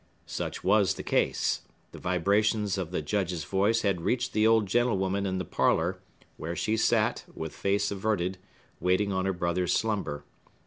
Such was the case. The vibrations of the Judge's voice had reached the old gentlewoman in the parlor, where she sat, with face averted, waiting on her brother's slumber.